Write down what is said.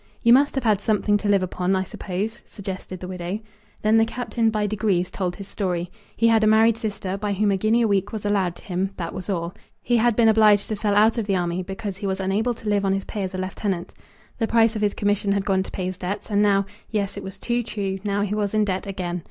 "You must have had something to live upon, I suppose?" suggested the widow. Then the Captain, by degrees, told his story. He had a married sister by whom a guinea a week was allowed to him. That was all. He had been obliged to sell out of the army, because he was unable to live on his pay as a lieutenant. The price of his commission had gone to pay his debts, and now, yes, it was too true, now he was in debt again.